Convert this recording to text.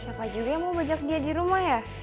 siapa juga yang mau bejak dia di rumah ya